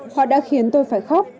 họ đã khiến tôi phải khóc